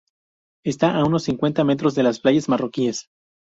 Está a unos cincuenta metros de las playas marroquíes.